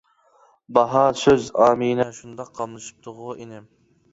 باھا سۆز ئامىنە شۇنداق قاملىشىپتىغۇ ئىنىم!